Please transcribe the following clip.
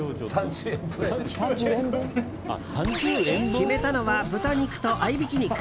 決めたのは豚肉と合いびき肉。